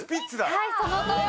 はいそのとおり。